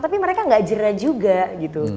tapi mereka gak jera juga gitu